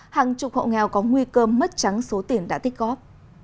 hàng chục hộ nghèo có nguy cơ mất trắng số tiền đã tích góp